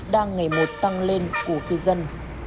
đang ngày một tăng lên của cư dân